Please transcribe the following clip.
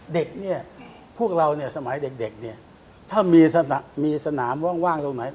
เด็กนี่พวกเราสมัยเด็กถ้ามีสนามว่างตรงไหน